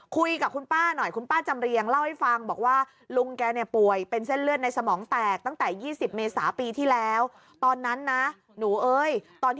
คุยกับคุณป้าหน่อยคุณป้าจำเรียงเล่าให้ฟัง